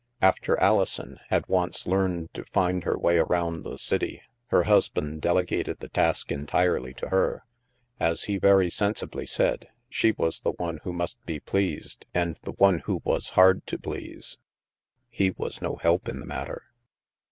After Alison had once learned to find her way around the city, her husband delegated the task entirely to her. As he very sensibly said, she was the one who must be pleased and the one who was hard to please; he was no help in the matter.